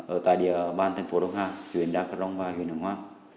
ở tại địa ở ban thành phố đông hà huyện đa cát long và huyện hồng hoa